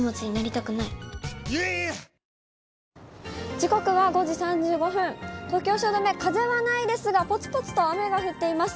時刻は５時３５分、東京・汐留、風はないですが、ぽつぽつと雨が降っています。